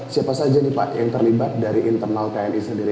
siapa saja nih pak yang terlibat dari internal tni sendiri